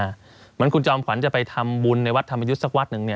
เหมือนคุณจอมขวัญจะไปทำบุญในวัดธรรมยุทธ์สักวัดหนึ่ง